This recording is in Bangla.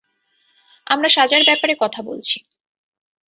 আমরা সাজার ব্যাপারে কথা বলছি।